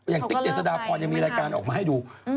ติ๊กเจษฎาพรยังมีรายการออกมาให้ดู